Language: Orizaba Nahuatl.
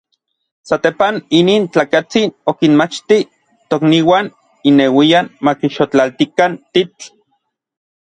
Satepan, inin tlakatsin okinmachti tokniuan inneuian makixotlaltikan titl.